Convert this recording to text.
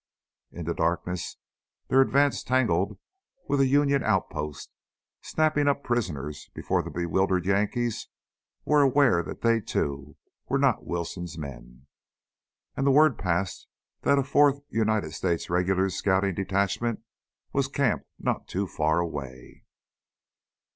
In the darkness their advance tangled with a Union outpost, snapping up prisoners before the bewildered Yankees were aware that they, too, were not Wilson's men. And the word passed that a Fourth United States Regulars' scouting detachment was camped not too far away.